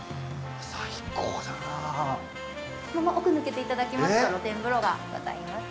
この奥抜けて頂きますと露天風呂がございます。